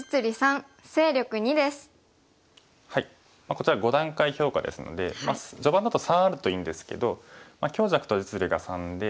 こちら５段階評価ですので序盤だと３あるといいんですけど強弱と実利が３で。